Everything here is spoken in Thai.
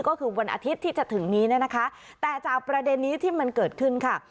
ก็คือวันอาทิตย์ที่จะถึงนี้เนี่ยนะคะแต่จากประเด็นนี้ที่มันเกิดขึ้นค่ะ